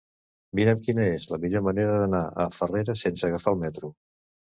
Mira'm quina és la millor manera d'anar a Farrera sense agafar el metro.